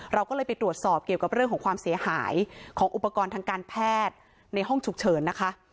เราก็เลยไปตรวจสอบเกี่ยวกับเรื่องของความเสียหายของอุปกรณ์ทางการแพทย์ในห้องฉุกเฉินนะคะ